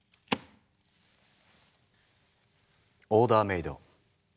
オーダーメイド。